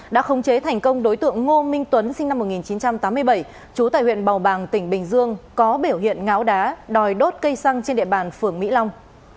đã khống chế thành công đối tượng ngô minh tuấn sinh năm một nghìn chín trăm tám mươi bảy trú tại huyện bào bàng tỉnh bình dương có biểu hiện ngáo đá đòi đốt cây xăng trên địa bàn phường mỹ long